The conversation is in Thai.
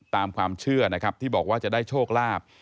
ตามความเชื่อนะครับที่บอกว่าจะได้โชคลาภ